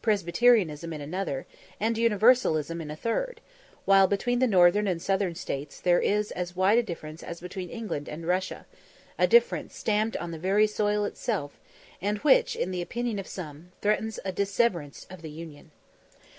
Presbyterianism in another, and Universalism in a third; while between the Northern and Southern States there is as wide a difference as between England and Russia a difference stamped on the very soil itself, and which, in the opinion of some, threatens a disseverance of the Union.